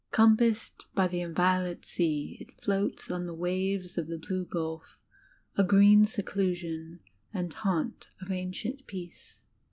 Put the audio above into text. "Com passed by the inviolate sea," it floats on the waves of the blue gulf, a green seclusion and "haunt of ancient peace."